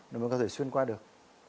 để có thể xuyên qua được